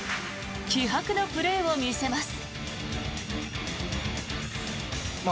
気迫のプレーを見せます。